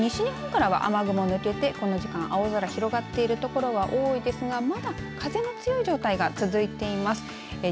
もう西日本からは雨雲抜けてこの時間青空広がっている所が多いですが、まだ風の強い状態が続いています。